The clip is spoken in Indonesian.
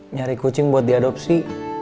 nyari kucing buat diadopsi